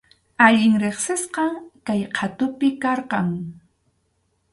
Allin riqsisqam kay qhatupi karqan.